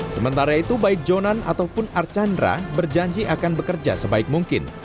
sementara itu baik jonan ataupun archandra berjanji akan bekerja sebaik mungkin